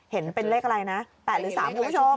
เห็นเป็นเลขอะไรนะ๘หรือ๓คุณผู้ชม